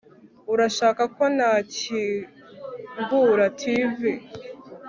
Urashaka ko nakingura TV